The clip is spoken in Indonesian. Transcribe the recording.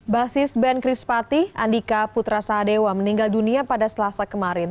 basis band chris pati andika putra sahadewa meninggal dunia pada selasa kemarin